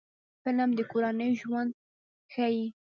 فلم د کورنۍ ژوند ښيي